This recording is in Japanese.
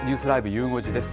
ゆう５時です。